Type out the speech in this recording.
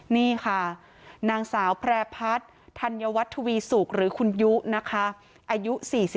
นี่ค่ะนางสาวแพร่พัดธัญวัตรวีสุกหรือคุณยุอายุ๔๓